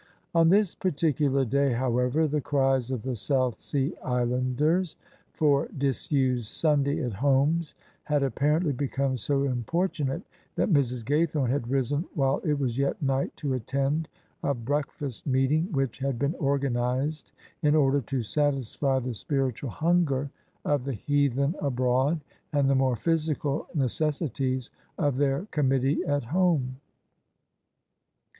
On this particular day, however, the cries of the South Sea Islanders for disused " Sunday at Homes " had apparently become so importunate that Mrs. Gaythorne had risen while it was yet night to attend a breakfast meet ing which had been organised in order to satisfy the spiritual himger of the heathen abroad and the more physical necessi ties of their Committee at home.